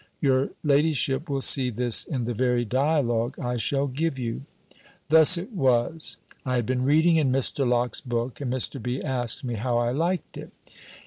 Your ladyship will see this in the very dialogue I shall give you. Thus it was. I had been reading in Mr. Locke's book, and Mr. B. asked me how I liked it?